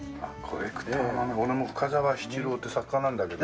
俺も深沢七郎って作家なんだけど。